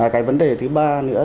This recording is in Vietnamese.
cái vấn đề thứ ba nữa